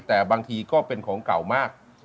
แต่บางทีก็เป็นของเก่ามาก